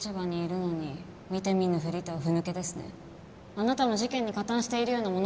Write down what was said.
あなたも事件に加担しているようなものですよ。